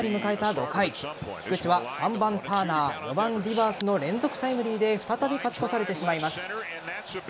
５回菊池は３番・ターナー４番・ディバースの連続タイムリーで再び勝ち越されてしまいます。